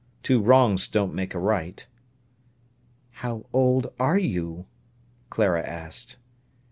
Two wrongs don't make a right." "How old are you?" Clara asked.